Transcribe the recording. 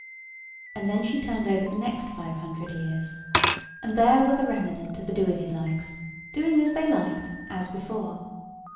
And then she turned over the next five hundred years: and there were the remnant of the Doasyoulikes, doing as they liked, as before.